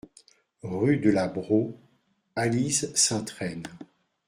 Rue de la Braux, Alise-Sainte-Reine